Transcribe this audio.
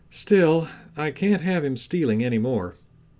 Still, I can't have him stealing any more.